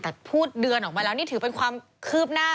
แต่พูดเดือนออกมาแล้วนี่ถือเป็นความคืบหน้า